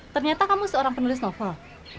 ternyata kamu seorang penulis novel